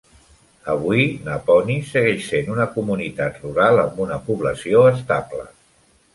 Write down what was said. Avui Naponee segueix sent una comunitat rural amb una població estable.